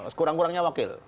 ya kurang kurangnya wakil